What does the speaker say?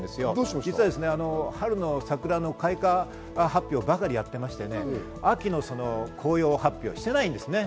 実は春の桜の開花発表ばかりやってまして、秋の紅葉発表してないんですよね。